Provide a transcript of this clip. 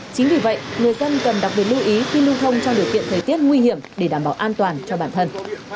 chính vì vậy người dân cần đặc biệt lưu ý khi lưu thông trong điều kiện thời tiết nguy hiểm để đảm bảo an toàn cho bản thân